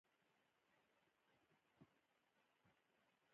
د پیسو منابع زیات را خلاص شوي وې.